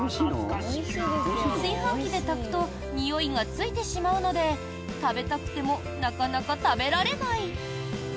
炊飯器で炊くとにおいがついてしまうので食べたくてもなかなか食べられない。